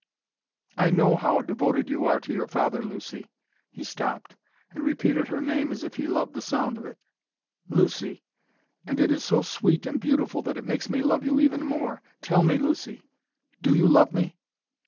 "I know how devoted you are to your father, Lucy " he stopped, and repeated her name as if he loved the sound of it it "Lucy, and it is so sweet and beautiful that it makes me love you even more. Tell me, Lucy, do you love me?"